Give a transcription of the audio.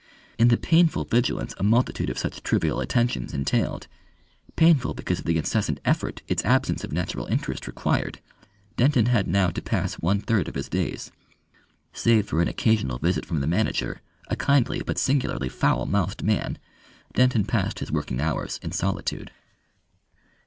In the painful vigilance a multitude of such trivial attentions entailed, painful because of the incessant effort its absence of natural interest required, Denton had now to pass one third of his days. Save for an occasional visit from the manager, a kindly but singularly foul mouthed man, Denton passed his working hours in solitude.